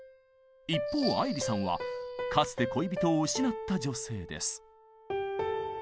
一方愛理さんはかつて恋人を失った女性です。